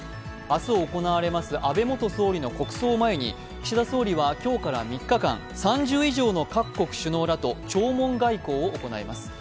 明日行われます安倍元総理の国葬を前に岸田総理は今日から３日間、３０以上の各国首脳らと弔問外交を行います。